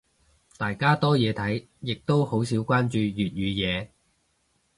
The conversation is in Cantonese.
大家多嘢睇，亦都好少關注粵語嘢。